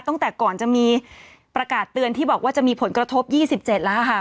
ตั้งแต่ก่อนจะมีประกาศเตือนที่บอกว่าจะมีผลกระทบ๒๗แล้วค่ะ